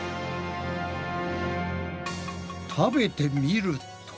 食べてみると。